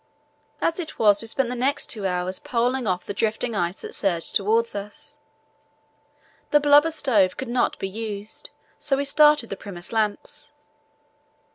As it was we spent the next two hours poling off the drifting ice that surged towards us. The blubber stove could not be used, so we started the Primus lamps.